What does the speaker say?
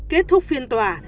kết thúc phiên tòa